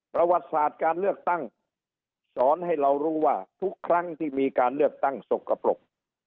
ประวัติศาสตร์การเลือกตั้งสอนให้เรารู้ว่าทุกครั้งที่มีการเลือกตั้งสกปรก